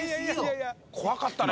怖かったな